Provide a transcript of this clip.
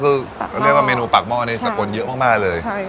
คือเรียกว่าเมนูปักหม้อนี้สกนเยอะมากมากเลยใช่